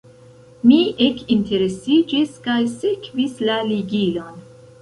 Mi ekinteresiĝis kaj sekvis la ligilon.